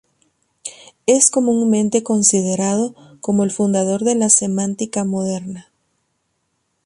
Es comúnmente considerado como el fundador de la semántica moderna.